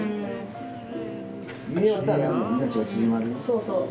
そうそう。